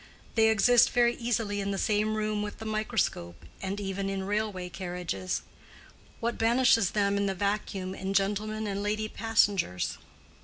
They exist very easily in the same room with the microscope and even in railway carriages: what banishes them in the vacuum in gentlemen and lady passengers.